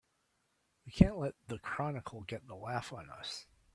We can't let the Chronicle get the laugh on us!